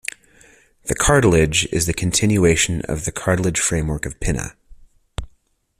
The cartilage is the continuation of the cartilage framework of pinna.